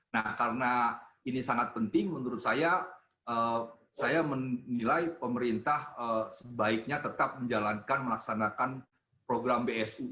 nah karena ini sangat penting menurut saya saya menilai pemerintah sebaiknya tetap menjalankan melaksanakan program bsu